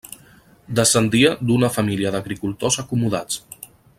Descendia d'una família d'agricultors acomodats.